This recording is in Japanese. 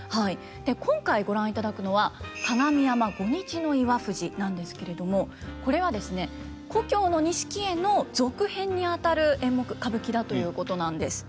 今回ご覧いただくのは「加賀見山再岩藤」なんですけれどもこれはですね「旧錦絵」の続編にあたる演目歌舞伎だということなんです。